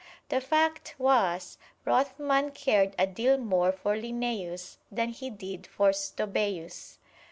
The fact was, Rothman cared a deal more for Linnæus than he did for Stobæus.